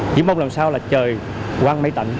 chỉ mong làm sao là trời quang mây tạnh